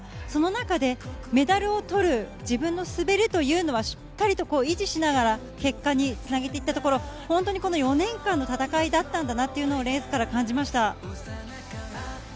その中で、メダルを取る自分の滑りというのはしっかりと維持しながら、結果につなげていったところ、本当に４年間の戦いだったんだなというのをレースから感じました。